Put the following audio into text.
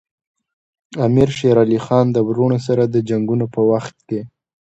امیر شېر علي خان د وروڼو سره د جنګونو په وخت کې.